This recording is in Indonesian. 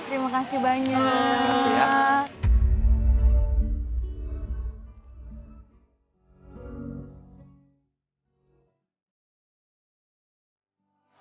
terima kasih banyak